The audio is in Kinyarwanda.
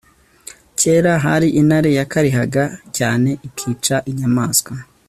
kera hari intare yakarihaga cyane, ikica inyamaswa